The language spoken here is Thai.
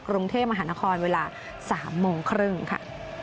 กรุงเทพมหานครเวลา๓โมงครึ่งค่ะ